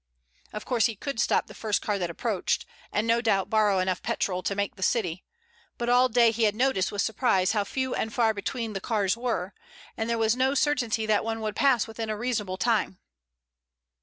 Of course, he could stop the first car that approached, and no doubt borrow enough petrol to make the city, but all day he had noticed with surprise how few and far between the cars were, and there was no certainty that one would pass within a reasonable time.